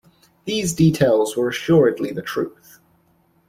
These details were assuredly the truth.